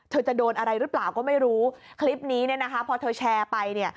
เธอจะโดนอะไรหรือเปล่าก็ไม่รู้คลิปนี้พอเธอแชร์ไป